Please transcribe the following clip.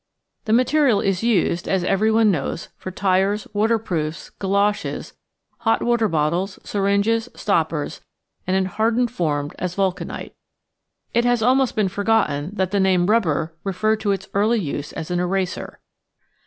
The material is used, as everyone knows, for tyres, waterproofs, goloshes, hot water bottles, syringes, stoppers, and in hardened form as vulcanite. It has almost been forgotten that the name "rubber" referred to its early use as an eraser.